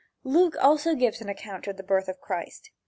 Luke also gives an account of the birth of Christ.